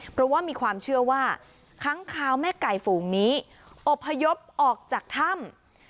เพราะว่ามีความเชื่อว่าค้างคาวแม่ไก่ฝูงนี้อบพยพออกจากถ้ำ